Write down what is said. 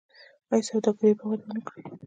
آیا سوداګري به وده ونه کړي؟